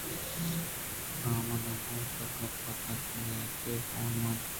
کلام نہ گوں تو گپ کنت ءَ نئیکہ گوں من